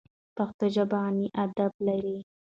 پښتو ژبه غني ادب لري.